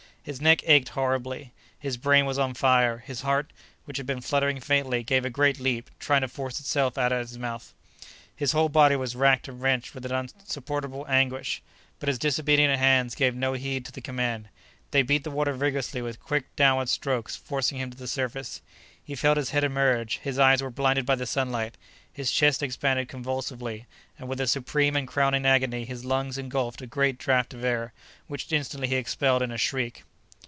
His neck ached horribly; his brain was on fire, his heart, which had been fluttering faintly, gave a great leap, trying to force itself out at his mouth. His whole body was racked and wrenched with an insupportable anguish! But his disobedient hands gave no heed to the command. They beat the water vigorously with quick, downward strokes, forcing him to the surface. He felt his head emerge; his eyes were blinded by the sunlight; his chest expanded convulsively, and with a supreme and crowning agony his lungs engulfed a great draught of air, which instantly he expelled in a shriek!